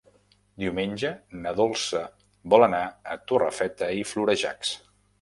Diumenge na Dolça vol anar a Torrefeta i Florejacs.